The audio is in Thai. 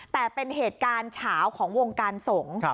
แต่เป็นเหตุการณ์เฉาของวงการสงฆ์